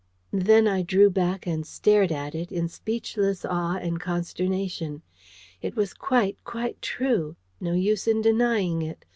Then I drew back and stared at it in speechless awe and consternation. It was quite, quite true. No use in denying it.